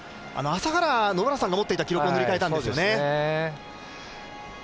朝原宣治さんが持っていた記録を塗り替えたんですよね。